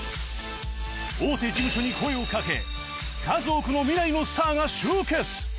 大手事務所に声をかけ数多くの未来のスターが集結